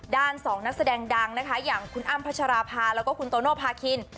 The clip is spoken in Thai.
ด้านสองนักแสดงดังอย่างคุณอัมพัชราพาแล้วก็คุณโตโนพาคิน